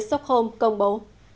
stockholm công bố